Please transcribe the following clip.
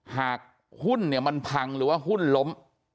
หากหุ้นไว้บริษัทผังหรือหุ้นล้ม